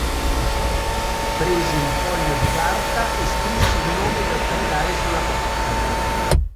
Presi un foglio di carta e scrissi il nome da attaccare sulla porta.